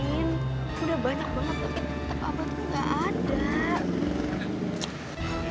udah banyak banyak tapi tetep abang tuh gak ada